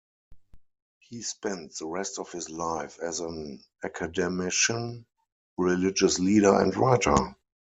He spent the rest of his life as an academician, religious leader and writer.